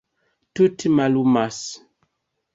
Tute mallumas.